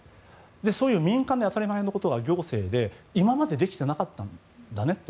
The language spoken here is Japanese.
そういう民間で当たり前のことが行政で今までできてなかったんだねって。